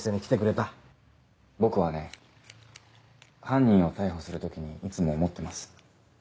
犯人を逮捕する時にいつも思ってます